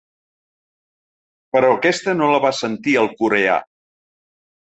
Però aquesta no la va sentir el coreà.